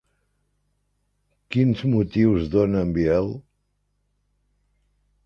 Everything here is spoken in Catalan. Quins motius dona en Biel?